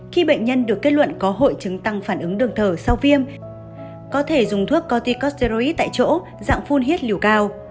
khi bệnh nhân được kết luận có hội chứng tăng phản ứng đường thở sau viêm có thể dùng thuốc corticoid tại chỗ dạng phun hiết liều cao